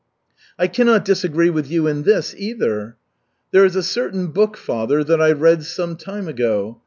"I cannot disagree with you in this, either." "There is a certain book, father, that I read some time ago.